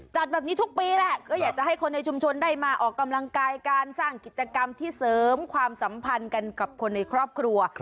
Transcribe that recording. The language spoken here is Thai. จัดแบบนี้ทุกปีแหละก็อยากจะให้คนในชุมชนได้มาออกกำลังกายการสร้างกิจกรรมที่เสริมความสัมพันธ์กันกับคนในครอบครัว